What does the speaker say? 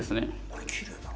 これきれいだな。